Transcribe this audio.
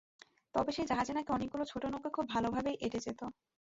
তবে সেই জাহাজে নাকি অনেকগুলো ছোট নৌকা খুব ভালোভাবেই এঁটে যেত।